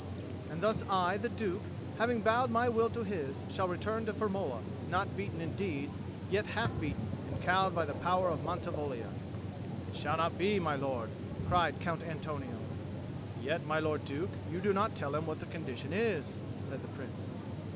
"And thus I, the Duke, having bowed my will to his, shall return to Firmola, not beaten indeed, yet half beaten and cowed by the power of Mantivoglia." "It shall not be, my lord," cried Count Antonio. "Yet, my lord Duke, you do not tell him what the condition is," said the Prince.